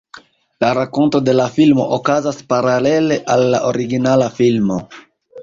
La rakonto de la filmo okazas paralele al la originala filmo.